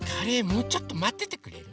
もうちょっとまっててくれる？